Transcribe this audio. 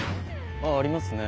あっありますね。